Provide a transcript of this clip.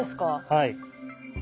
はい。